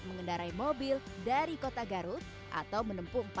mengendarai mobil dari kota garut atau menempung